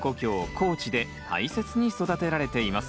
高知で大切に育てられています。